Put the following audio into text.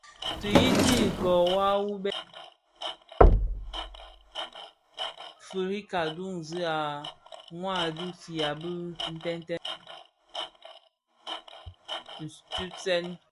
Ti yiyiti ikōō wua wu bë ghaksi bi duň yi lufira duňzi a mwadingusha Bitënten bi bë nkoomèn ntusèn.